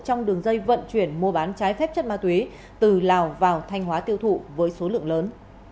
trong đường dây vận chuyển mua bán trái phép chất ma túy từ lào vào thanh hóa tiêu thụ với số lượng lớn